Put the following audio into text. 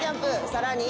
さらに。